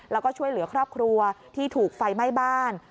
แล้วก็ช่วยเหลือครอบครัวที่ถูกไฟไหม้บ้าน